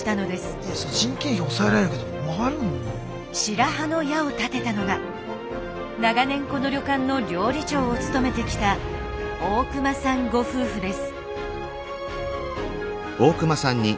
白羽の矢を立てたのが長年この旅館の料理長を務めてきた大熊さんご夫婦です。